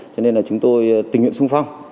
cho nên là chúng tôi tình nguyện sung phong